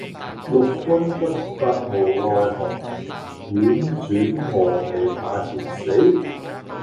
六軍不發無奈何，宛轉蛾眉馬前死。